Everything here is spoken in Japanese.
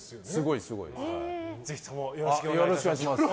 ぜひともよろしくお願いいたします。